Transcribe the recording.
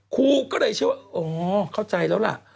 ครูก็เลยเชื่อว่าอ๋อเข้าใจแล้วล่ะ